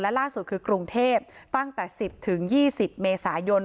ล่าสุดคือกรุงเทพตั้งแต่๑๐๒๐เมษายน